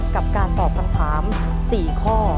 กับการตอบคำถาม๔ข้อ